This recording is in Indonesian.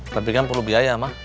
tapi kan perlu biaya mah